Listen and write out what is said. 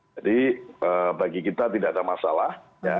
jadi bagi kita tidak ada masalah